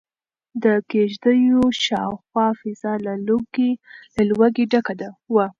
د کيږديو شاوخوا فضا له لوګي ډکه وه.